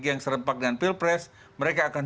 yang serempak dengan pilpres mereka akan